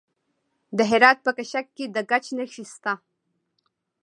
د هرات په کشک کې د ګچ نښې شته.